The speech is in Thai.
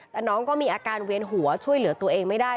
แต่น้องก็มีอาการเวียนหัวช่วยเหลือตัวเองไม่ได้